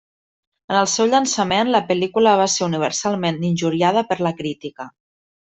En el seu llançament la pel·lícula va ser universalment injuriada per la crítica.